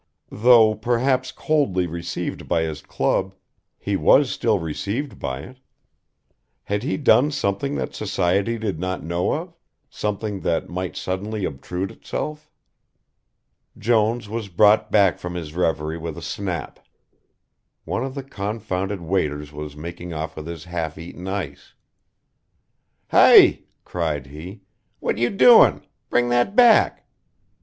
Though perhaps coldly received by his club, he was still received by it. Had he done something that society did not know of, something that might suddenly obtrude itself? Jones was brought back from his reverie with a snap. One of the confounded waiters was making off with his half eaten ice. "Hi," cried he. "What you doing? Bring that back."